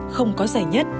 không có giải nhất